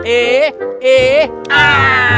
eh eh ah